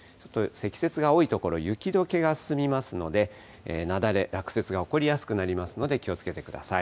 積雪が多い所、雪どけが進みますので、雪崩、落雪が起こりやすくなりますので、気をつけてください。